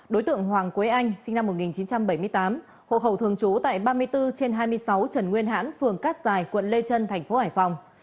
đối tượng hoàng quế anh sinh năm một nghìn chín trăm bảy mươi tám hộ khẩu thường trú tại ba mươi bốn trên hai mươi sáu trần nguyên hãn phường cát dài quận lê trân tp hải phòng